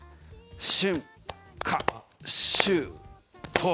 春、夏、秋、冬。